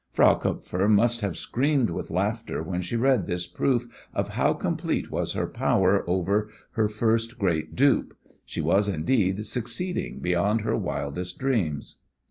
Frau Kupfer must have screamed with laughter when she read this proof of how complete was her power over her first great dupe. She was, indeed, succeeding beyond her wildest dreams.